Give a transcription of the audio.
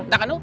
entah kan lu